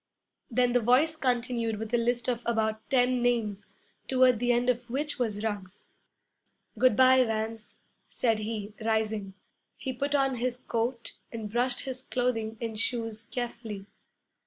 Then the voice continued with a list of about ten names, toward the end of which was Ruggs. 'Good bye, Vance,' said he, rising. He put on his coat and brushed his clothing and shoes carefully.